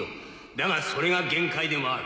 だがそれが限界でもある。